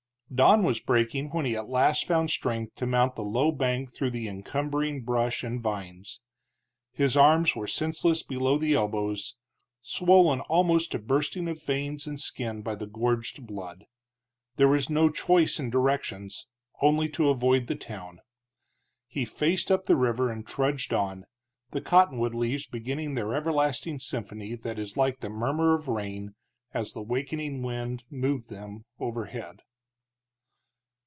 Dawn was breaking when he at last found strength to mount the low bank through the encumbering brush and vines. His arms were senseless below the elbows, swollen almost to bursting of veins and skin by the gorged blood. There was no choice in directions, only to avoid the town. He faced up the river and trudged on, the cottonwood leaves beginning their everlasting symphony, that is like the murmur of rain, as the wakening wind moved them overhead.